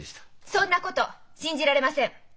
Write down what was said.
そんなこと信じられません！